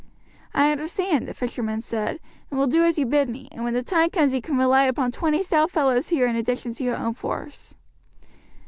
"I understand," the fisherman said, "and will do as you bid me; and when the time comes you can rely upon twenty stout fellows here in addition to your own force."